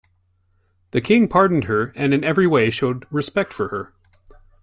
The king pardoned her and in every way showed respect for her.